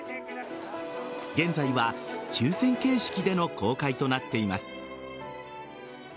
現在は抽選形式での公開となっています。